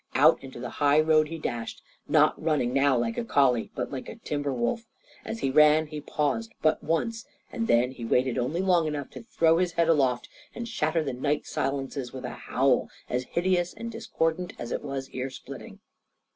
Out into the high road he dashed, not running now like a collie, but like a timber wolf. As he ran he paused but once, and then he waited only long enough to throw his head aloft and shatter the night silences with a howl as hideous and discordant as it was ear splitting.